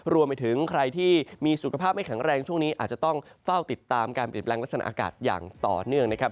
รวมไปถึงใครที่มีสุขภาพไม่แข็งแรงช่วงนี้อาจจะต้องเฝ้าติดตามการเปลี่ยนแปลงลักษณะอากาศอย่างต่อเนื่องนะครับ